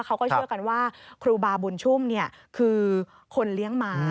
เขาก็เชื่อกันว่าครูบาบุญชุ่มคือคนเลี้ยงหมา